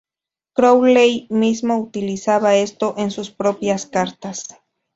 Crowley mismo utilizaba esto en sus propias cartas.